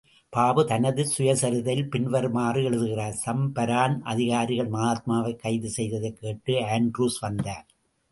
பாபு தனது சுயசரிதையில் பின்வருமாறு எழுதுகிறார் சம்பரான் அதிகாரிகள் மகாத்மாவைக் கைது செய்ததைக் கேட்டு ஆண்ட்ரூஸ் வந்தார்.